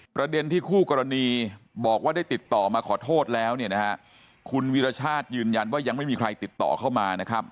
ประเด็นที่คู่กรณีบอกว่าได้ติดต่อมาขอโทษแล้วเนี่ยนะฮะคุณวิรชาติยืนยันว่ายังไม่มีใครติดต่อเข้ามานะครับ